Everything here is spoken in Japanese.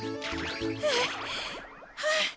はあはあ。